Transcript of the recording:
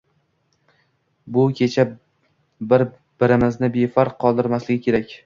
Bu hech birimizni befarq qoldirmasligi kerak.